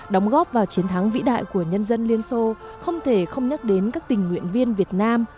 đóng góp vào chiến thắng vĩ đại của nhân dân liên xô không thể không nhắc đến các tình nguyện viên việt nam